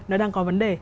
nó đang có vấn đề